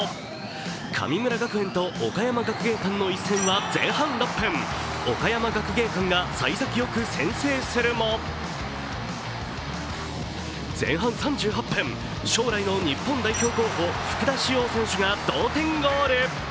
神村学園と岡山学芸館の一戦は前半６分、岡山学芸館がさい先よく先制するも前半３８分、将来の日本代表候補、福田師王選手が同点ゴール。